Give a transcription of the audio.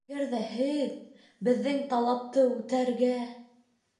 Әгәр ҙә һеҙ... беҙҙең... талапты... үтәргә...